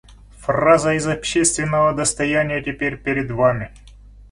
Фраза из общественного достояния теперь перед Вами!